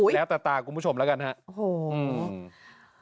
แล้วแต่ตาคุณผู้ชมแล้วกันครับ